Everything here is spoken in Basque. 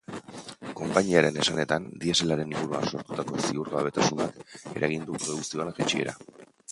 Konpainiaren esanetan, dieselaren inguruan sortutako ziurgabetasunak eragin du produkzioaren jaitsiera.